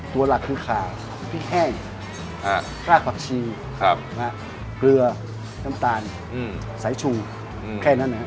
ตัวหลักคือขาขนิทแห้งครากบักชีเกลือน้ำตาลใสว์ชูแค่นั้น